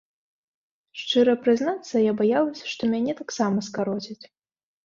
Шчыра прызнацца, я баялася, што мяне таксама скароцяць.